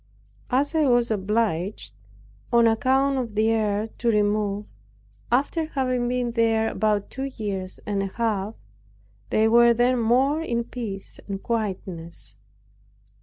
As I was obliged, on account of the air, to remove, after having been there about two years and a half, they were then more in peace and quietness.